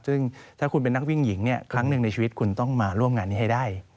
ซึ่งถ้าคุณเป็นนักวิ่งหญิงครั้งหนึ่งในชีวิตคุณต้องมาร่วมงานนี้ให้ได้